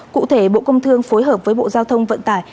cụ thể bộ công thương phối hợp với bộ giao thông vận tải